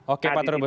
oke pak terubus